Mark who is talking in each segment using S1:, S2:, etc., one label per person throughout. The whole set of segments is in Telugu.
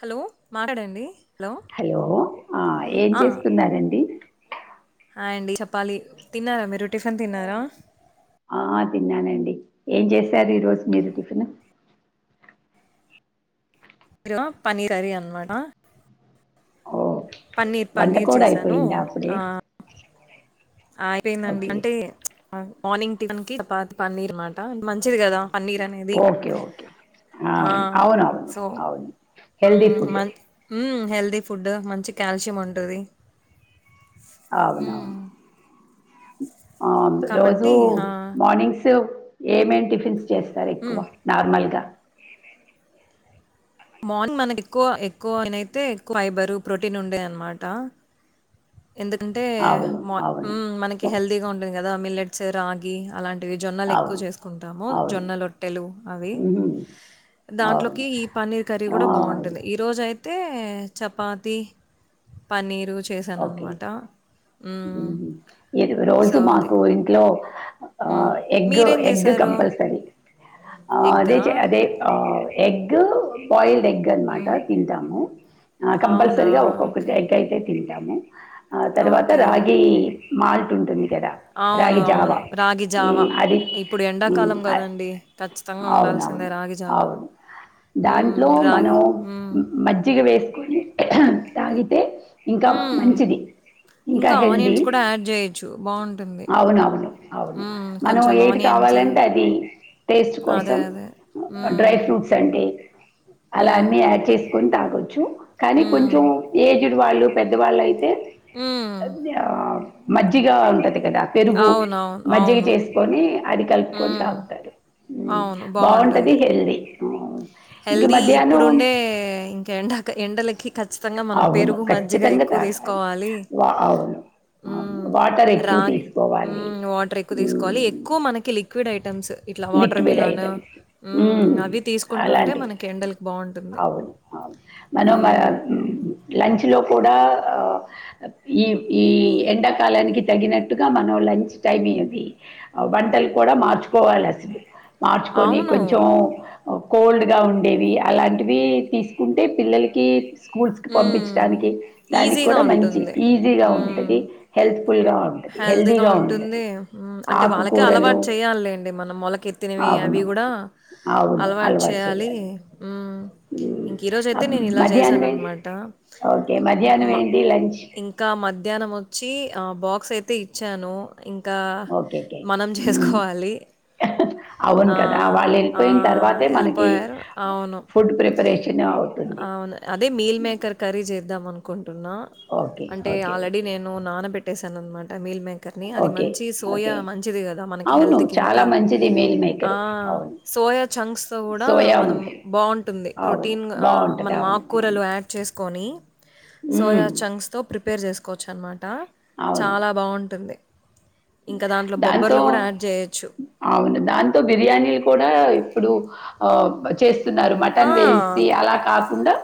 S1: హలో మాట్లాడండి.
S2: హలో ఆ ఏం
S1: ఆ
S2: చేస్తున్నారండి.
S1: హాయ్ అండి చెప్పాలి తిన్నారా మీరు. టిఫిన్ తిన్నారా.
S2: ఆ తిన్నానండి ఏం చేశారు ఈ రోజు మీరు టిఫిన.
S1: పన్నీర్ కర్రీ అన్నమాట
S2: ఓ
S1: పన్నీర్
S2: వంట
S1: పన్నీర్
S2: కూడా
S1: చేసానూ.
S2: అయిపోయిందా అప్పుడే
S1: ఆ అయిపోయిందండి
S2: ఓకే
S1: అంటే మార్నింగ్ టిఫిన్ కి చపాతి పన్నీర్ అనమాట. మంచిది కదా. పన్నీర్ అనేది
S2: ఓకే ఓకే
S1: ఆ
S2: అవును. అవునువును
S1: సో
S2: అవును. హెల్దీ ఫుడే.
S1: హెల్తీ ఫుడ్ మంచి కాల్షియం ఉంటది.
S2: అవునవును. [unintelligible] రోజు
S1: కాబట్టి ఆ
S2: మార్నింగ్స్ సు ఏమేం టిఫిన్స్ చేస్తారు ఎక్కువ
S1: మ్మ్
S2: నార్మల్ గా.
S1: మార్నింగ్ మనకు ఎక్కువ ఎక్కువనైతే ఎక్కువ ఫైబరు ప్రోటీన్ ఉండేవి అనమాటా. ఎందుకంటే
S2: అవును
S1: మ ఉం
S2: అవును
S1: మనకి హెల్దీగా ఉం కదా మిల్లట్స, రాగి అలాం జొన్నలు ఎక్కువ
S2: అవును
S1: చేసుకుంటాము.
S2: అవును
S1: జొన్నలొట్టెలు అవి.
S2: ఉహుం, అవును
S1: దాంట్లోకి ఈ పన్నీర్ కర్రీ కూడా
S2: ఆ,
S1: బాగుంటది. ఈరోజు అయి తే చపాతీ పన్నీరు
S2: ఓకే
S1: చేశాననమాట. హ్మ్.
S2: ఊహూ ఇది
S1: సో,
S2: రోజు
S1: అది.
S2: మాకు ఇంట్లో
S1: హ్మ్.
S2: ఎగ్
S1: మీరేం
S2: ఎగ్
S1: జేశారు?
S2: కంపల్సరీ. అదే
S1: ఎగ్గా?
S2: అదే ఆ ఎగ్ బయిల్డ్ ఎగ్ అనమాట తింటాము. ఆ
S1: అవునా!
S2: కంపల్సరిగా ఒక్కొక్కటి
S1: ఓకే.
S2: ఎగ్ అయితే తింటాము. ఆ తర్వాత
S1: ఓకే.
S2: రాగీ మాల్ట్ ఉంటుంది కదా
S1: అవును
S2: రాగి
S1: అవును
S2: జావా
S1: రాగి జావ
S2: ఉమ్, అది
S1: ఇప్పుడు
S2: ఉమ్,
S1: ఎండాకాలం
S2: అ-
S1: కదండి ఖచ్చితంగా
S2: అవునవును
S1: ఉండాల్సిందే రాగిజావా
S2: అవును
S1: హ్మ్
S2: దాంట్లో
S1: రాగి హ్మ్
S2: కొని తాగితే ఇంకా
S1: హ్మ్.
S2: మంచిది ఇంకా హెల్దీ
S1: ఆనియన్స్ కూడా యాడ్ జేయొచ్చు. బావుంటుంది.
S2: అవునవును అవును
S1: హ్మ్.
S2: మనం
S1: కొంచెం
S2: ఏది
S1: ఆనియన్స్
S2: కావాలంటే అది టేస్ట్
S1: అదే.
S2: కోసం
S1: అదే.
S2: డ్రై
S1: హ్మ్.
S2: ఫ్రూట్స్ అంటే అలా
S1: హ్మ్.
S2: అన్నీ యాడ్ చేసుకొని తాగొ చ్చూ కానీ
S1: హ్మ్.
S2: కొంచెం ఏ ఇదివాళ్లు పెద్దవాళ్ళయితే
S1: హ్మ్.
S2: అదా మజ్జిగా ఉంటది కదా పెరుగు
S1: అవునవును.
S2: మజ్జిగ
S1: అవును.
S2: చేసుకొని అది కలుపుకోని
S1: హ్మ్.
S2: తాగుతారు బాగుంటది హెల్దీ అవును
S1: హెల్దీ ఇప్పుడుండే ఇంకా ఎండ ఎండలకి ఖచ్చితంగా మనం
S2: అవును.
S1: పెరుగు మ జ్జిగ
S2: ఖచ్చితంగా
S1: ఎక్కువ
S2: తాగాలి.
S1: తీసుకోవాలి,
S2: వ అవును. అవును.
S1: మ్మ్
S2: వాటర్ ఎక్కువ
S1: రాగి
S2: తీసుకోవాలి.
S1: మ్మ్ వాటర్ ఎక్కువ తీసుకోవాలి,
S2: హ్మ్.
S1: ఎక్కువ మనకి లిక్విడ్ ఐటమ్స్. ఇట్లా వాటర్
S2: లిక్విడ్
S1: మిలాన్
S2: ఐటమ్స్ హ్మ్.
S1: మ్మ్ అవి తీసు
S2: అలాంటివి అవును అవు మనం మన
S1: హ్మ్.
S2: లంచ్ లో కూడా ఆ ఇ ఈ ఎండాకాలానికి తగినట్టుగా మనం లంచ్ టైమి అది వంటలు కూడా మార్చుకోవాలి. మార్చుకొని
S1: అవును.
S2: కొంచెం ఓ కోల్డ్ గా ఉండేవి అలాంటివి తీసుకుంటే పిల్లలకి సు కూల్స్ కి
S1: హ్మ్.
S2: పంపించడానికి దానికి
S1: ఈజీగా
S2: కూడా మంచి
S1: ఉంటుంది.
S2: ఈజీగా
S1: హ్మ్.
S2: ఉంటది హెల్త్ ఫుల్గా ఉంటది,
S1: హెల్తీగా
S2: హెల్దీగా ఉంటది
S1: ఉంటుంది.
S2: ఆకుకూరలు,
S1: నం మొలకెత్తినవి అవి
S2: అవును
S1: కూడా అలవాటు చేయాలి మ్మ్ మ్మ్
S2: ఉమ్.
S1: ఇంక ఈ రోజు
S2: ఆ,
S1: అయితే నేను ఇలా
S2: మధ్యాహ్నం
S1: చేసాన్
S2: ఏంటి
S1: అనమా
S2: ఓకే మధ్యాహ్నం
S1: మ
S2: ఏంటి లంచ్
S1: ఇంకా మధ్యానం వచ్చి ఆ బాక్స్ అయితే ఇచ్చాను ఇంకా
S2: ఓకే ఓకే
S1: మనం
S2: ఉమ్.
S1: చేసుకోవాలి
S2: అవును
S1: ఆ
S2: కదా వాళ్ళు
S1: ఆ
S2: వెళ్ళిపోయిన తర్వాతే మనకి
S1: వెళ్ళిపోయారు, అవును
S2: ఫుడ్ ప్రిపరేషన్ అవుతుంది
S1: అవును అదే మీల్ మే ర్రీ చేద్దాం అనుకుం టున్నా
S2: ఓకే
S1: అంటే
S2: ఓకే
S1: ఆల్రెడీ
S2: ఓకే
S1: నేను నానబెట్ పెట్టేసానన్నమా మీల్ మేకర్ని అది
S2: ఓకే
S1: మంచి
S2: ఓకే
S1: సోయా మంచిది కదా మనకి
S2: అవును
S1: హెల్త్కి
S2: చాలా
S1: ఇంకా
S2: మంచిది మీల్
S1: ఆ
S2: మేకరు అవును
S1: సోయా చంక్స్తో కూడా
S2: సోయా
S1: మనం
S2: ఉంటుంది
S1: బాగుంటుంది
S2: అవును
S1: ప్రోటీన్ఆ
S2: బాగుంటది
S1: మనం
S2: అవును
S1: ఆకుకూరలు
S2: అవును
S1: యాడ్ చేసుకోని
S2: ఉమ్,
S1: సోయాచంక్స్త్ ప్రి ప్రిపేర్ చేసి కోవచ్చు అనమాట
S2: అవును
S1: చాలా బాగుంటుంది
S2: దాంతో
S1: యాడ్ జేయొచ్చు.
S2: అవును దాంతో బిర్యానీలు కూడా ఇప్పుడు ఓ చేసి స్తున్నారు మటన్
S1: ఆ!
S2: వేసి అలా కాకుండా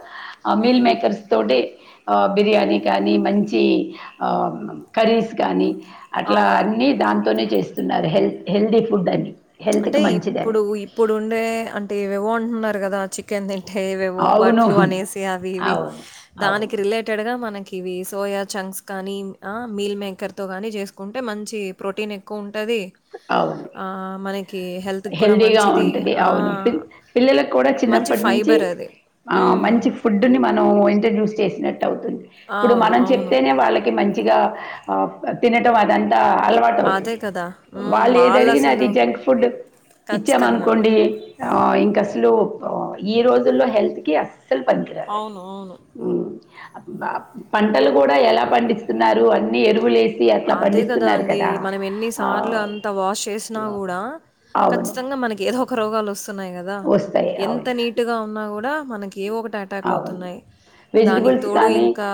S2: మీల్
S1: హ్మ్.
S2: మేకర్స్ తోటి బిర్యానీ కానీ మంచి కర్రీస్ కానీ
S1: అవును
S2: తోనే చేస్తున్నారు హెల్ హెల్దీ ఫుడ్ అని హెల్త్‌కి
S1: అంటే
S2: మంచిదని.
S1: ఇప్పుడు ఇప్పుడు ఉండే అంటే ఏవో అంటున్నారు కదా చికెన్ తి ఏవేవో బర్డ్
S2: అవును.
S1: ఫ్లూ అనేసి అవి ఇవి
S2: అవును. అవును.
S1: దానికి రిలేటెడ్ గా మన ఇవి సోయా చంక్స్ కానీ ఆ మీల్ మేకర్ తో కానీ చేసుకుంటే మంచి ప్రోటీన్ ఎక్కువ ఉ టది
S2: అవును.
S1: ఆ మనకి హెల్త్‌కి కూడా
S2: హెల్దీగా
S1: మంచిది.
S2: ఉంటది
S1: ఆ!
S2: అవును పి పిల్లలకు కూడా
S1: మంచి
S2: చిన్నప్పటి నుంచి
S1: ఫైబర్ అది.
S2: ఆ
S1: హ్మ్.
S2: మంచి ఫుడ్ ని మనం ఇంట్రొడ్యూస్ చేసినట్టు టవుతుంది ఇప్పుడు
S1: అవును.
S2: మనం
S1: అవును.
S2: చెప్తేనే వాళ్ళకి మంచిగా ఆ తినట వాదాన్ ట అలవాటు
S1: అదే
S2: అవుతది
S1: కదా! హ్మ్.
S2: వాళ్ళు ఏ జరిగినా అది
S1: వాళ్ళసలు
S2: జంక్ ఫుడ్
S1: ఖచ్చితంగా.
S2: ఇచ్చామనుకోండి ఆ ఇంకా స్లోప్ ఈ రోజుల్లో హెల్త్ కి అస్ స్సల్ పనికి రాదండి
S1: అవును. అవును.
S2: పంటలు కూడా ఎలా పండిస్తున్నారు అన్ని ఎరువులేసి అట్లా
S1: అదే కదా
S2: పండిస్తున్నారు
S1: అండి మనం ఎన్నిసార్లు
S2: ఆహ్,
S1: అంతా వాష్ చేసినా కూడా
S2: అవును.
S1: ఖచ్చితంగా మనకి ఏదో ఒక రోగాలు వస్తున్నాయి కదా
S2: వస్తాయి.
S1: ఎంత
S2: అవును.
S1: నీటుగా ఉన్నా కూడా మనకి ఏ ఒకటి అటాక్
S2: అవును
S1: అవుతున్నాయి దానికి
S2: వెజిటబుల్స్
S1: తోడు
S2: కానీ
S1: ఇంకా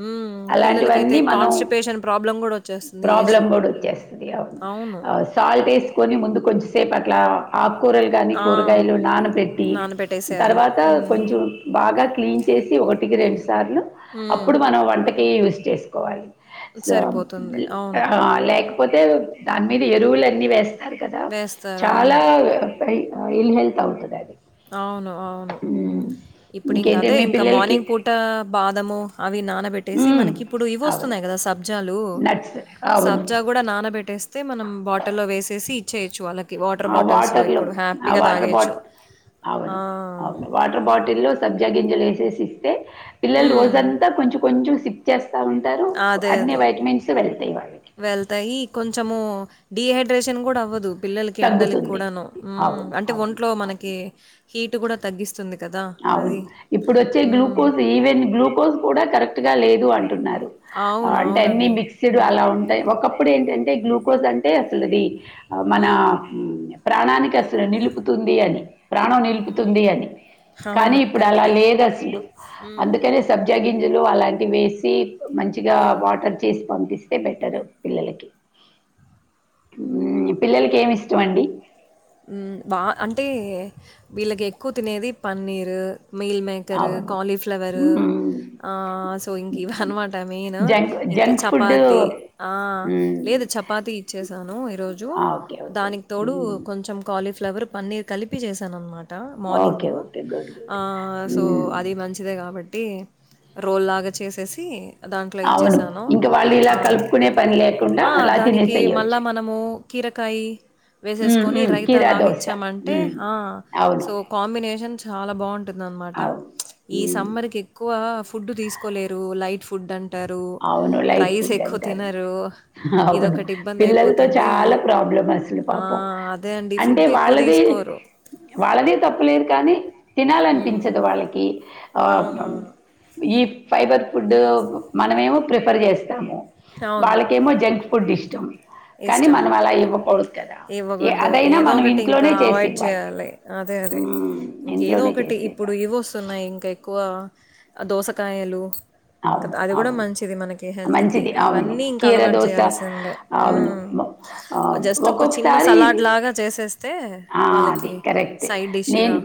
S1: హ్మ్ పిల్లలకైతే
S2: అలాంటివన్నీ మనం
S1: కాన్స్టిపేషన్ ప్రాబ్
S2: ప్రాబ్లం కూడా వచ్చేస్తది ఇగ అవును ఆ సాల్ట్ వేసుకొని ముందు కొంచెసే పట్ల ఆ కూరలు కానీ
S1: ఆ,
S2: కూరగాయలు నానబెట్టి
S1: నానబెట్టేసేయాలి
S2: తర్వాత
S1: మ్మ్,
S2: కొంచెం బాగా క్లీన్ చేసి ఒకటికి రెండు స్ సార్లు
S1: మ్మ్,
S2: అప్పుడు మనం వంటక్ యూజ్ చేసుకోవాలి.
S1: సరిపోతుంది
S2: సరీ
S1: అవును
S2: [unintelligible] లేక్ పోతే దాని మీద ఎరువులన్నీ వేస్ తారు కదా
S1: వేస్తారు
S2: చాలా
S1: అవును
S2: వే ఆ ఇలి మెల్ట్తావుతదది.
S1: అవును అవును ఇప్పుడు
S2: ఇంకేంటి
S1: ఇంకాదే
S2: మీ
S1: ఇంకా
S2: పిల్లలకి
S1: మార్నింగ్ పూట బాదము, అవి నానబెట్టేసి
S2: హ్మ్.
S1: మనకి ఇప్పుడు ఇవి
S2: అవును.
S1: వస్తున్నాయి కదా. సబ్జ జలు
S2: నట్స్ అవును
S1: సబ్జా కూడా నానబెట్టేస్తే మనం బాటిల్ లో వేసేసి చెయ్యచ్చు అళక్ వాటర్
S2: ఆ
S1: బాటిల్స్లో
S2: వాటర్లో
S1: ఇప్పుడు
S2: ఆ
S1: హ్యాపీగా
S2: వాటర్
S1: తాగేయొచ్చు
S2: బాట్
S1: ఆ!
S2: అవును అవును వాట్రూ బాటిల్ లో సబ్జ గింజలేసేసిస్ తే పిల్లలు
S1: హ్మ్.
S2: రోజంతా కొంచెం కొంచెం సిప్ కా ఉంటారు.
S1: అదే.
S2: అన్ని
S1: అదే.
S2: వైటమిన్స్ వెళ్తాయి. వాళ్ళకి
S1: డిహైడ్రేషన్ గూడా అవ్వదు. పిల్లలకి ఎండలకి
S2: తగ్గుతుంది
S1: కూడాను ఉమ్
S2: అవును
S1: అంటే
S2: అవును
S1: ఒంట్లో
S2: అవును
S1: మనకి హీట్ కూడా తగ్గిస్
S2: అవును ఇప్పుడు వచ్చే
S1: హ్మ్.
S2: గ్లూకోజ్ ఈవెన్ గ్లూకోజ్ కూడా కరెక్ట్ గా లేద్ అంటున్నారు.
S1: అవును
S2: అంటే అన్ని
S1: అవునండి.
S2: మిక్స్డ్
S1: హ్మ్.
S2: అలా ఉంటాయి. ఒకప్పుడు ఏంటంటే గ్లూక్ కోజ్ అంటే అసలీది మన
S1: హ్మ్.
S2: ఉం ప్రాణానిక్ అసలు నిలుపుతుంది అని. ప్రాణం నిలుపుతుంది అని కానీ
S1: అవును
S2: ఇప్పుడు అలా
S1: కరెక్టే.
S2: లేదు అసలు.
S1: హ్మ్.
S2: అందుకనే సబ్జగింజ్ లు అలాంటివి వేసి మంచిగా
S1: అవును.
S2: వాటర్ చేసి పంపిస్ టే బెటరు పిల్లలకి. ఉమ్మ్ పిల్లలకి ఏమి ఇష్టం అండి.
S1: ఉమ్మ్ బా అంటే వీళ్ళకి ఎక్కువ తినేది పన్నీరూ. Meal maker.
S2: అవును.
S1: క్వాలీఫ్లవరు.
S2: హ్మ్.
S1: ఆ సో ఇంక్ ఇవి అన్నమాట మెయిన్.
S2: జంక్
S1: ఇంకే
S2: జంక్ ఫుడ్డు
S1: చపాతి ఆ
S2: హ్మ్.
S1: లేదు. చపాత ఇచ్చేసాను ఈరోజు
S2: ఆ ఓకే ఓకే
S1: దానికి తోడు
S2: హ్మ్.
S1: కాలీఫ్లవర్, పన్నీర్ కలిపి చేశానన్నమాట అట
S2: ఓకే
S1: మార్నింగ
S2: ఓకే. గుడ్
S1: ఆ
S2: గుడ్.
S1: సో
S2: హ్మ్.
S1: అది మంచిదే కాబట్టి రోల్లాగా చేసేసి దాంట్లో
S2: అవును.
S1: ఇచ్చేసాను
S2: ఇంక వాళ్ళు ఇలా
S1: ఆ
S2: కలుపుకునే పని లేకుండా
S1: ఆ
S2: అలా
S1: దానికి మళ్ళా
S2: తినేసేయొచ్చు.
S1: మనము కీరకాయ వేసేసు
S2: హ్మ్.
S1: కొని
S2: హ్మ్.
S1: రైతా
S2: కీరా
S1: లాగా
S2: దోస.
S1: ఇచ్చాం అంటే
S2: హ్మ్.
S1: ఆ
S2: అవును.
S1: సో కాంబినేషన్స్ చాలా బాగుం టుంద అనమాట
S2: అవును.
S1: ఈ
S2: హ్మ్.
S1: సమ్మర్ ఎక్కువా ఫుడ్ తీసుకోలేరు లైట్ ఫుడ్ అం
S2: అవును లైట్ ఫుడ్ అంటారు అవును
S1: ఇదొకటి
S2: పిల్లలతో
S1: ఇబ్బందయిపోతుంది.
S2: చాలా ప్రాబ్లం అసలు
S1: ఆ!
S2: పాపం
S1: అదే అండి.
S2: అంటే
S1: ఫుడ్ ఎక్కువ
S2: వాళ్ళదే
S1: తీసుకోరు.
S2: వాళ్ళదే తప్పు లేదు కానీ
S1: హ్మ్.
S2: తినాలనిపించదు వాళ్ళకి ఆ
S1: అవునవును.
S2: మ్మ్
S1: అవును.
S2: ఈ ఫైబర్ ఫుడ్ మనమేమో ప్రిఫర్ చేస్తాము
S1: అవును
S2: కానీ
S1: ఇష్టము
S2: మనం అలా ఇవ్వకూడదు కదా! ఏ
S1: ఇవ్వకూడదు
S2: అదైనా
S1: ఏదో
S2: మనం
S1: ఒకటి ఇంకా
S2: ఇంట్లోనే
S1: అవాయిడ్
S2: చేసివ్వాలి.
S1: చేయాలి అదే అదే
S2: హ్మ్.
S1: ఇంక ఏదో
S2: ఇంట్లోనే
S1: ఒకటి ఇప్పుడు
S2: చేసివ్వాలి.
S1: ఇవి వస్తున్నాయి ఇంక ఎక్కువా ఆ దోసకాయలు ఇంకా
S2: అవును.
S1: అది కూడా
S2: అవును.
S1: మంచిది మనకి హెల్త్ కి
S2: మంచిది. అవును.
S1: ఇవన్నీ ఇంకా
S2: కీర
S1: అలవాటు
S2: దోస
S1: చేయాల్సిందే
S2: అవును.
S1: ఉమ్
S2: మొ ఆహ్,
S1: జస్ట్ ఒక చిన్న సలాడ్
S2: ఒక్కొక్కసారి
S1: లాగా చే సే
S2: ఆ అది కరెక్ట్
S1: డిష్గా
S2: నేను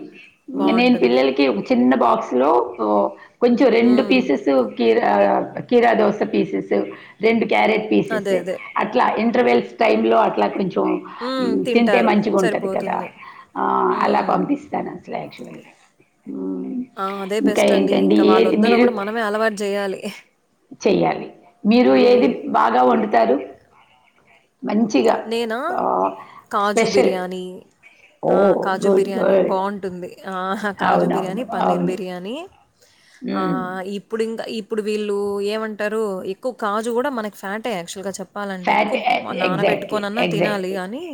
S2: నేను
S1: బాగుంటుంది
S2: పిల్లలకి ఒక చిన్న బాక్స్ లో ఓ కొంచం రెండు
S1: మ్మ్.
S2: పీసస్ కీర ఆ కీరా దోశ పీసెస్ రెండు క్యారెట్ పీసెస్
S1: అదే అదే
S2: అట్లా ఇంటర్వెల్ టైమ్ లో అట్లా కొంచెం టామ్
S1: మ్మ్,
S2: తింటే
S1: తింటారు
S2: మంచిగా ఉంటది కదా
S1: సరిపోతుంది
S2: ఆ అలా
S1: మ్మ్.
S2: పంపిస్తాను యాక్చువల్ గా
S1: ఆ అదే బెస్ట్ అండి ఇంకా వాళ్ళ
S2: ఏది
S1: వద్దన్న
S2: మీరు
S1: కూడా మనమే అలవాటు చేయాలి
S2: చెయ్యాలి మీరు ఏది
S1: హ్మ్.
S2: బాగా వండుతారు మంచిగా
S1: నేనా
S2: ఆహ్,
S1: కాజు
S2: స్పెషల్.
S1: బిర్యానీ ఆ
S2: ఓహ్!
S1: కాజు
S2: గుడ్.
S1: బిర్యానీ
S2: గుడ్.
S1: బాగుంటుంది కాజు
S2: అవునవును.
S1: బిర్యానీ పన్నీర్
S2: అవును.
S1: బిర్యానీ ఆ
S2: హ్మ్.
S1: ఇప్పుడు ఇంకా ఇప్పు ఇప్పుడు వీళ్ళు ఏమంటారు ఎక్కువ కాజు కూడా మనకి ఫ్యాటే యాక్చువల్గా చెప్పచ్చు
S2: ఫ్యాట్ ఎక్జాక్ట్లీ
S1: తినాలి గాని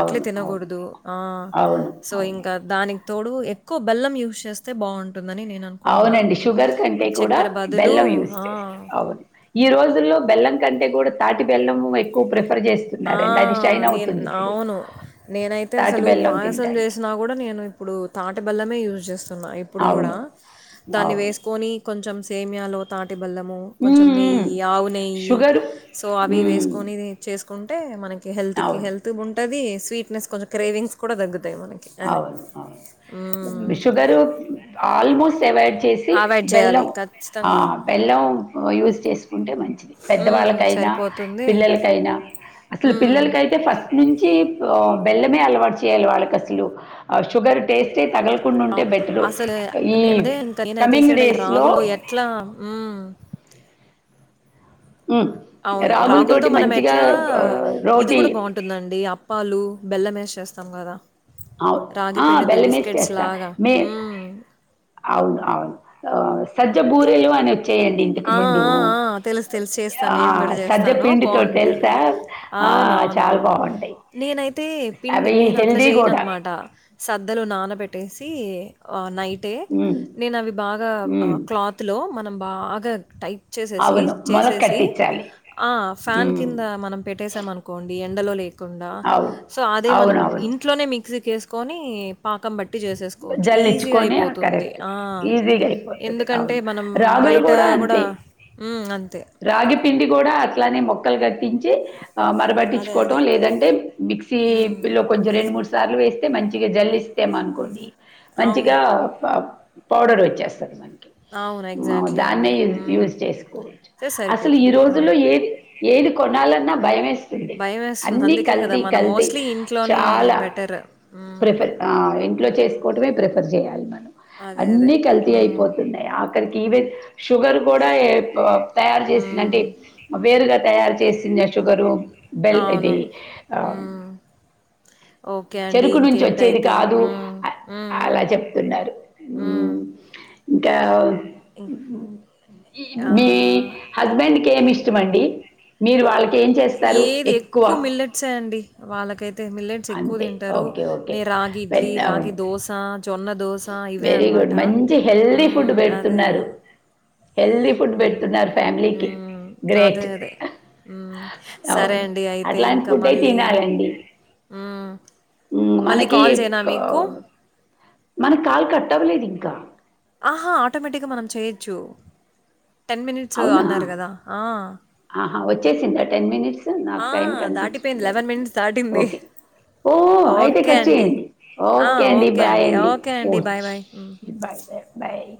S1: అట్లే
S2: అవును.
S1: తినకూడదు ఆ
S2: అవును.
S1: సో
S2: అవును.
S1: ఇంకా తోడు ఎక్కువ బెలం యూజ్ చేస్తే బాగుంటుంది
S2: అవునండి షుగర్ కంటే కూడా
S1: చక్కెర బదులు
S2: బెల్లం యూజ్
S1: ఆ!
S2: చేస్తే అవును ఈ రోజుల్లో బెల్లం కంటే కూడా తాటి బెలము ఎక్కువ ప్ర
S1: ఆ నేను అవును నేనైతే
S2: తాటి
S1: అసలు
S2: బెల్లం
S1: పాయసం
S2: తినటానికి.
S1: చేసినా కూడా నేను ఇప్పుడు తాట బెల్లమే యూస్ జస్ట్ ఇప్పుడు కూడా
S2: అవును.
S1: దాన్ని
S2: అవును.
S1: వేసుకొని కొంచెం సేమియాలో తాట తాటి బెల్లము కొంచెం
S2: హ్మ్. హ్మ్.
S1: నెయ్యి ఆవు నెయ్యి
S2: షుగరు
S1: సో అవి ఇవి
S2: హ్మ్.
S1: వేసుకొని కుంటే మనకి హెల్త్ కి
S2: అవును.
S1: హెల్త్ ఉంటది స్వీనెస్ కొంచం క్రేవింగ్స్ కూడా తగ్గుదు హ్మ్.
S2: అవునువును షుగరు ఆల్మోస్ట్ ఎవయిడ్
S1: అవాయిడ్ చేయాలి
S2: బెల్లం
S1: ఖచ్చితంగా.
S2: బెల్లం యూస్ చేసుకుంటే మ
S1: హ్మ్.
S2: పెద్దవాళ్ళకైనా
S1: సరిపోతుంది.
S2: పిల్లలకైనా అసలు
S1: హ్మ్.
S2: పిల్లలకైతే ఫస్ట్ నుంచి బెల్మే అలవాటు చేయల వాళ్ళక సుగర్ టేస్ట్
S1: అసలు నేనుదే ఇంకా
S2: కమింగ్
S1: నేనుదశాడు
S2: డేస్లో
S1: రాహుల్ల్లో ఎట్లా అవును రాగుల్ త
S2: రాగులతోటి
S1: మనం
S2: మంచిగా
S1: ఎట్లా
S2: ఆ,
S1: ఇది
S2: రోటీ
S1: కూడా బాగుంటుందండి అప్పాలు బెల్లంమే వి చేస్తాం కదా
S2: అవును బెల్లం వేసి చేస్తా
S1: లాగా.
S2: మీ
S1: హ్మ్.
S2: అవును అవును సజ్జ బూరెలు అని వచ్చాయండి ఇంతకు
S1: ఆ
S2: ముందు
S1: ఆ ఆ తెలుసు తెలుసు చేస్తాను
S2: ఆ
S1: నేను కూడా
S2: సజ్జ
S1: చేస్తాను
S2: పిండితో
S1: బాగుంటది
S2: తెలుసా ఆ
S1: అవున అవున
S2: చాలా
S1: అవును
S2: బాగుంటాయి
S1: నేనైతే పిండి
S2: అవి
S1: నేను అట్లా
S2: హెల్దీ
S1: చేయను
S2: కూడా
S1: అనమాట సద్దలు నాన పెట్టేసి నైట్ అంటే
S2: హ్మ్
S1: నేను అవి బాగా
S2: హ్మ్
S1: లో మనం బాగా టైప్ చే
S2: అవును మొలక
S1: చేసేసి
S2: కట్టించాలి
S1: ఫ్యాన్
S2: హ్మ్
S1: కింద మనం పెట్టేసాంనుకోండి అ [inaudible] కుండా
S2: అవును
S1: సో అదే మనం
S2: అవునవును
S1: ఇంట్లోనే మీకు మిక్స్ చేేసుకొని పాకం బట్టి ఈసీ గా
S2: జల్లించుకొని
S1: అయిపోతుంది
S2: కరెక్ట్ ఈజీగా అయిపోతది
S1: ఎందుకంటే
S2: అవును
S1: మనం
S2: రాగులు
S1: బయట కూడా
S2: అంతే
S1: హ్మ్మ్ అంతే
S2: రాగి పిండి కూడా అట్లానే మొక్కలు కట్టించి
S1: అదే.
S2: మరబట్టించుకోవటం
S1: అదే.
S2: లేదంటే
S1: హ్మ్.
S2: మిక్సీలో కొంచెం రెండు మూడు సార్లు వేస్త మంచిగా జల్లి ఇస్తామ అనుకోండి
S1: అవును.
S2: మంచిగా పౌడర్ వచ్చేస్తారు మనకి
S1: అవును
S2: ఆ,
S1: ఎగ్జాక్ట్లీ అండి
S2: దాన్నే యూజ్ యూజ్ చేసుకోవచ్చు
S1: స
S2: అసలు ఈ
S1: సరిపోతుంది
S2: రోజుల్లో
S1: అవును
S2: ఏది ఏది కొనాలన్నా భయమేసి
S1: భయమేస్తుంది.
S2: అన్నిీ
S1: అందుకే కదా!
S2: కల్తీ
S1: మనం
S2: కల్తీ
S1: మోస్ట్‌లీ ఇంట్లోనే
S2: చాలా
S1: బెటర్. హ్మ్.
S2: ప్రిఫర్ ఇంట్లో చేస్త ట ప్రిఫర్ చేయాలి మరి
S1: అదే. అదే.
S2: అన్నిీ కల్తీ
S1: హ్మ్.
S2: అయిపోతున్నాయి ఆఖరికి ఈవెన్ షుగర్ కూడా తయారు చేసిందంటే
S1: హ్మ్.
S2: వేరుగా తయారు చేసింది షుగరు బెల్
S1: అవును.
S2: ఇది ఆ
S1: హ్మ్. ఓకే అండి.
S2: చెరుకు నుంచి వచ్చేది
S1: ఇంకేంటైతే.
S2: కాదు
S1: హ్మ్. హ్మ్. హ్మ్.
S2: అలా చెప్తున్నారు
S1: హ్మ్.
S2: ఇంకా మీ
S1: ఆ!
S2: హస్బెండ్ కేమి మండి మీరు వాళ్ళకి ఏం చేస్తారు
S1: ఏది ఎక్కువ మిల్లట్సే అండి వాళ్ళకైతే మిల్లెట్స్ ఎక్కువ
S2: అంతే
S1: తింటారు
S2: ఓకే ఓకే
S1: రాగి ఇడ్లీ
S2: పెద్ద
S1: రాగి దోశ జొన్న దోస ఇవే
S2: వెరీ గుడ్
S1: అనమాటా
S2: మంచి హెల్దీ ఫుడ్
S1: హ్మ్మ్ అదే
S2: పెడుతున్నారు
S1: అదే
S2: హెల్దీ ఫుడ్ పెడుతున్నారు ఫ్యామిలీకి
S1: అదే
S2: గ్రేట్
S1: అదే సరే
S2: అవును
S1: అండి అయితే
S2: అట్లాంటి
S1: ఇంకా
S2: ఫుడ్డే
S1: మళ్ళీ
S2: తినాలండి మ్,
S1: మళ్ళీ
S2: మనకి
S1: కాల్ చేయనా
S2: క-
S1: మీకు
S2: మనకి కాలు కట్టవ్వలేదు ఇంకా
S1: ఆహా ఆటోమేటిక్ గా మనం చేయొచ్చు మినిట్స్
S2: అవునా
S1: అన్నారు గదా! ఆ!
S2: ఆహా వచ్చేసింది ఆ టెన్ మినిట్స్ నాకు
S1: ఆ!
S2: టైం
S1: దాటిపోయింది.
S2: కనిపించట్లేదు ఇక్కడ
S1: మినిట్స్ దాటింది.
S2: ఓకే ఓ అయితే
S1: ఓకే
S2: కట్
S1: అండి.
S2: చేయండి
S1: ఆ!
S2: ఓకే అండి బాయ్ అండి
S1: ఓకే
S2: ఓ
S1: అండి. బాయ్. బాయ్. హ్మ్.
S2: Bye bye bye